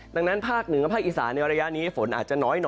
ดังนั้นภาคเหนือภาคอีสานในระยะนี้ฝนอาจจะน้อยหน่อย